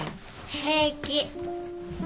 平気。